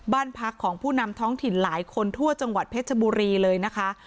บ้านพักของผู้นำท้องถิ่นหลายคนทั่วจังหวัดเพชรบุรีเลยนะคะ